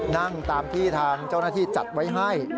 นั่งตามที่ทางเจ้าหน้าที่จัดไว้ให้